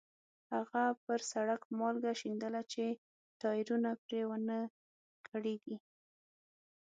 هغه پر سړک مالګه شیندله چې ټایرونه پرې ونه کړېږي.